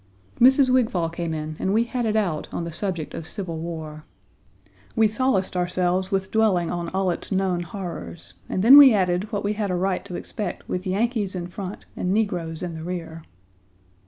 Mrs. Wigfall came in and we had it out on the subject of civil war. We solaced ourselves with dwelling on all its known horrors, and then we added what we had a right to expect with Yankees in front and negroes in the rear.